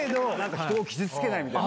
人を傷つけないみたいな。